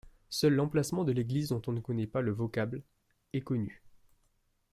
Seul l'emplacement de l'église dont on ne connait pas le vocable est connu.